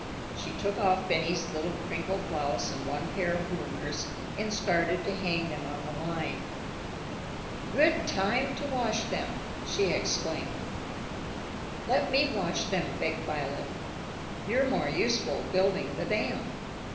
She took off Benny's little crinkled blouse and one pair of bloomers, and started to hang them on the line. "Good time to wash them!" she exclaimed. "Let me wash them," begged Violet. "You're more useful building the dam."